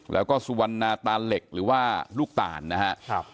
แล้วก็สุวรรณาตาเหล็กหรือว่าลูกตานนะครับ